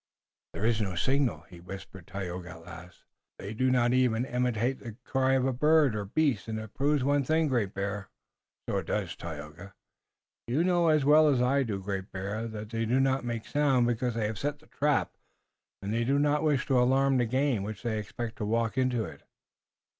"There is no signal," whispered Tayoga at last. "They do not even imitate the cry of bird or beast, and it proves one thing, Great Bear." "So it does, Tayoga." "You know as well as I do, Great Bear, that they make no sound because they have set the trap, and they do not wish to alarm the game which they expect to walk into it."